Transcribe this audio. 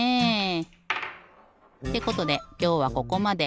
ってことできょうはここまで。